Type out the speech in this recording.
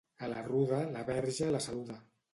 A la ruda, la Verge la saluda.